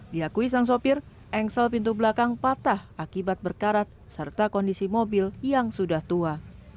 diakui sang sopir engsel pintu belakang patah akibat berkarat serta kondisi mobil yang sudah tua